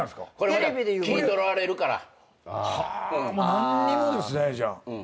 何にもですねじゃあ。